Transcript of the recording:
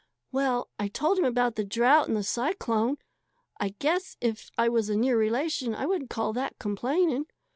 "Well, I told him about the drought and the cyclone. I guess if I was a near relation I wouldn't call that complaining.